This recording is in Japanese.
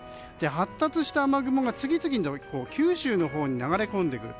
発達した雨雲が次々、九州に流れ込んでくる。